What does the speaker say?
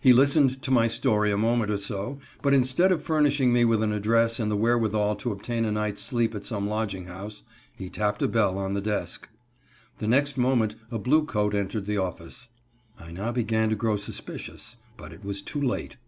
He listened to my story a moment or so, but instead of furnishing me with an address and the wherewithal to obtain a night's sleep at some lodging house, he tapped a bell on the desk. The next moment a blue coat entered the office. I now began to grow suspicious, but it was too late.